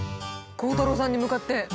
鋼太郎さんに向かって。